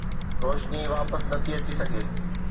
روشني واپس نٿي اچي سگهي